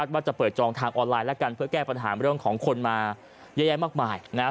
ถ้าว่าจะเปิดจองทางออนไลน์ละกันเพื่อแก้ปัญหาเรื่องของคนมาย้ายมากมายนะฮะ